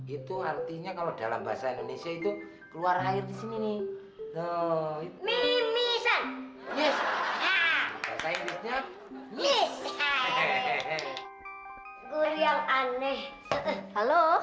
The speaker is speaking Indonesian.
itu artinya kalau dalam bahasa indonesia itu keluar air disini nih